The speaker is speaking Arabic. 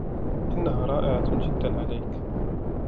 إنها رائعة جداً عليك.